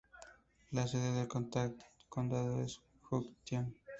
La sede del condado es Junction.